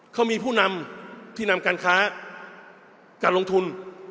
เขามีผู้นำที่นำการค้าการลงทุน